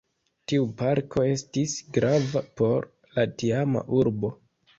Tiu parko estis grava por la tiama urbo.